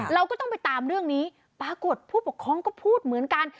เราก็ต้องไปตามเรื่องนี้ปรากฏผู้ปกครองก็พูดเหมือนกัน